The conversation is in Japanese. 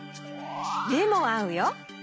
めもあうよ。